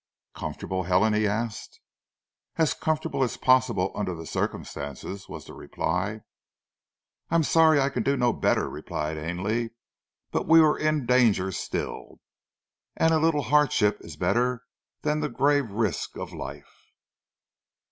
"Comfortable, Helen?" he asked. "As comfortable as possible under the circumstances," was the reply. "I am sorry I can do no better," replied Ainley. "But we are in danger still, and a little hardship is better than the grave risk of life."